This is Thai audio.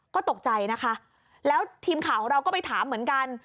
ก็ตกใจนะคะแล้วทีมข่าวของเราก็ไปถามเหมือนกัน